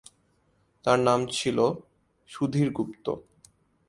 তার আসল নাম ছিল সুধীর গুপ্ত।